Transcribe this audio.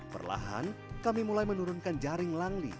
perlahan kami mulai menurunkan jaring langli